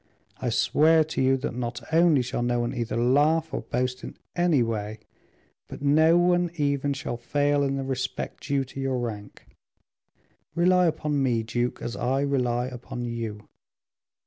I swear to you that, not only shall no one either laugh or boast in any way, but no one even shall fail in the respect due to your rank. Rely upon me, duke, as I rely upon you."